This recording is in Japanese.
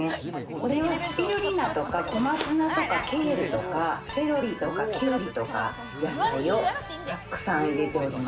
これはスピルリナとか小松菜とかケールとかセロリとか、きゅうりとか、野菜をたくさん入れてる。